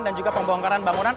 dan juga pembongkaran bangunan